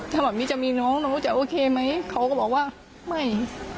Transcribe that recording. ถ้าแม่จะมีน้องน้องจะโอเคไหมเขาก็บอกว่าไม่